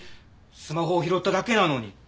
スマホを拾っただけなのに。